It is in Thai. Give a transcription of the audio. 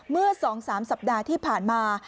เมื่อสองสามสัปดาห์ที่ผ่านมา